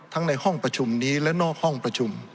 ในห้องประชุมนี้และนอกห้องประชุม